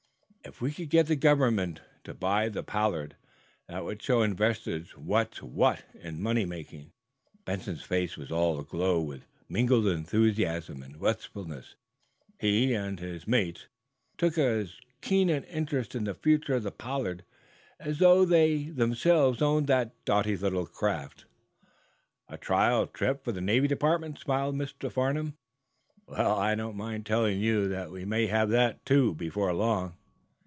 If we could get the Government to buy the 'Pollard,' that would show investors what's what in money making." Benson's face was all aglow with mingled enthusiasm and wistfulness. He, and his mates, took as keen an interest in the future of the "Pollard" as though they themselves owned that doughty little craft. "A trial trip for the Navy Department?" smiled Mr. Farnum, gravely. "Well, I don't mind telling you that we may have that, too, before long."